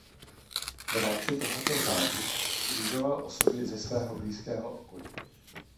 V rámci tohoto řádu sdružoval osoby ze svého blízkého okolí.